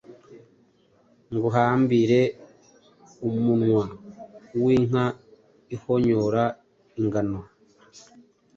Ntugahambire umunwa w’inka ihonyora ingano.”